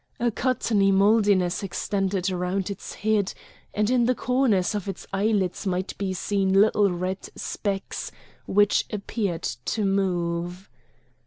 A cottony mouldiness extended round its head; and in the corners of its eyelids might be seen little red specks which appeared to move.